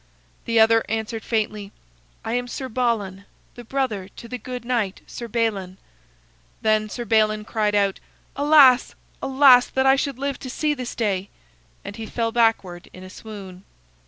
The other answered faintly: "I am Sir Balan, the brother to the good knight Sir Balin." Then Sir Balin cried out: "Alas, alas! that I should live to see this day!" and he fell backward in a swoon.